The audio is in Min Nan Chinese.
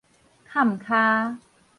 崁跤